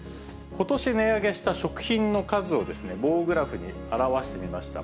ことし値上げした食品の数を棒グラフに表してみました。